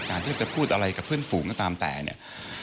ที่จะพูดอะไรกับเพื่อนฝูงก็ตามแต่เนี่ย